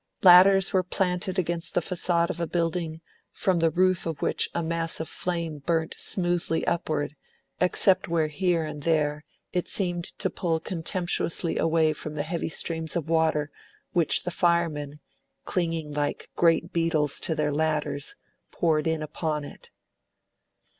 Ladders were planted against the facade of a building, from the roof of which a mass of flame burnt smoothly upward, except where here and there it seemed to pull contemptuously away from the heavy streams of water which the firemen, clinging like great beetles to their ladders, poured in upon it.